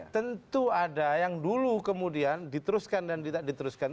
tentu ada yang dulu kemudian diteruskan dan tidak diteruskan